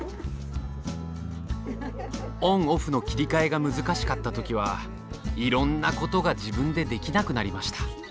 オンオフの切り替えが難しかった時はいろんなことが自分でできなくなりました。